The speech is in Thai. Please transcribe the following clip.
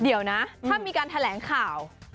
เดี๋ยวนะถ้ามีการแถลงข่าว